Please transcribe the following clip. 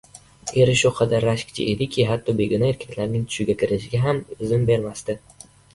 — Eri shu qadar rashkchi ediki, hatto begona erkaklarning tushiga kirishiga ham izn bermasdi.